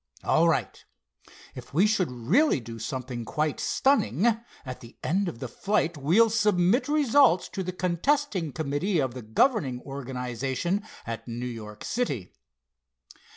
All right. If we should really do something quite stunning, at the end of the flight we'll submit results to the contesting committee of the governing organization at New York City."